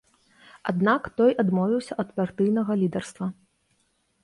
Аднак той адмовіўся ад партыйнага лідарства.